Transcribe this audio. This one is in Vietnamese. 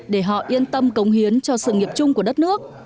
để họ yên tâm cống hiến cho sự nghiệp chung của đất nước